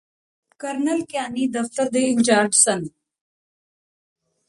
colonel Kiyani ਦਫਤਰ ਦੇ in charge ਸਨ